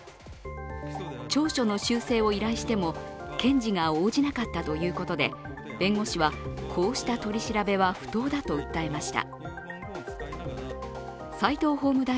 調書の修正を依頼しても検事が応じなかったということで弁護士はこうした取り調べは不当だと訴えました。